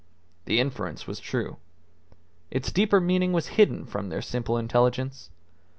The inference was true. Its deeper meaning was hidden from their simple intelligence.